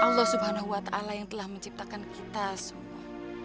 allah swt yang telah menciptakan kita semua